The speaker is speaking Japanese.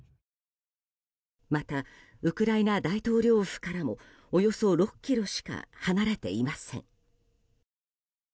また、ウクライナ大統領府からもおよそ６ｋｍしか離れていません。